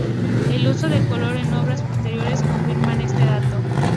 El uso del color en obras posteriores confirman este dato.